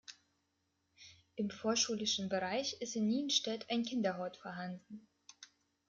Im vorschulischen Bereich ist in Nienstädt ein Kinderhort vorhanden.